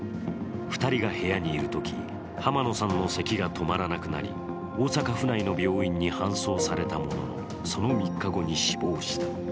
２人が部屋にいるとき、濱野さんのせきが止まらなくなり大阪府内の病院に搬送されたものの、その３日後に死亡した。